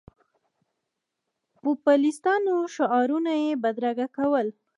پوپلیستانو شعارونه یې بدرګه کول.